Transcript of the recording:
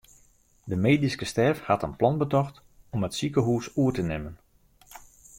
De medyske stêf hat in plan betocht om it sikehûs oer te nimmen.